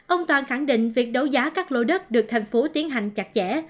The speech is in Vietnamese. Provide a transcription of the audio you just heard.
ông toàn khẳng định việc đấu giá các lô đất được thành phố tiến hành chặt chẽ